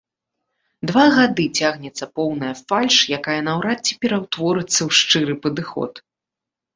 Два гады цягнецца поўная фальш, якая наўрад ці пераўтворыцца ў шчыры падыход.